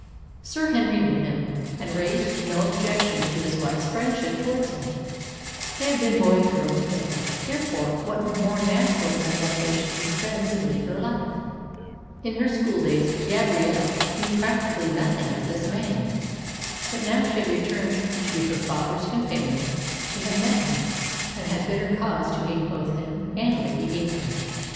Sir Henry knew him, and raised no objection to his wife's friendship towards him. They had been boy and girl together; therefore what more natural than that they should be friends in later life? In her schooldays Gabrielle knew practically nothing of this man; but now she had returned to be her father's companion she had met him, and had bitter cause to hate both him and Lady Heyburn.